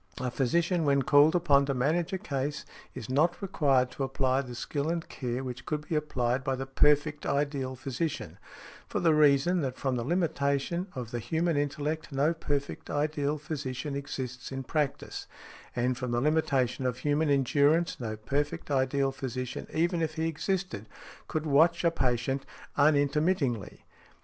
A physician, when called upon to manage a case, is not required to apply the skill and care which could be applied by the perfect ideal physician, for the reason that from the limitation of the human intellect no perfect ideal physician exists in practice, and, from the limitation of human endurance, no perfect ideal physician, even if he existed, could watch a patient unintermittingly.